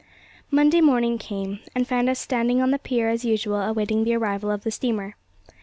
Monday morning came, and found us standing on the pier as usual awaiting the arrival of the steamer.